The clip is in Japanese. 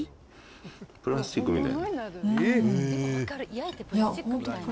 プラスチックみたい。